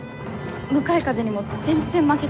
向かい風にも全然負けてなくて。